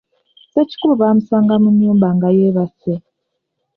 Sekikubo bamusanga mu nnyumba nga yeebase.